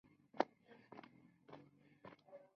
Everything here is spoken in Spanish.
Colaboró durante cuarenta años con el diario "La Nación".